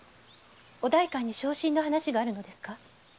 お代官に昇進の話があるのですか？